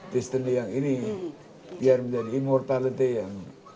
tisn diang ini biar menjadi immortality yang